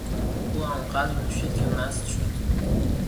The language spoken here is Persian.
او آنقدر نوشید که مست شد.